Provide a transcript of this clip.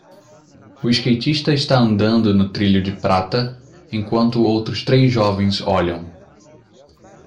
O skatista está andando no trilho de prata, enquanto outros três jovens olham.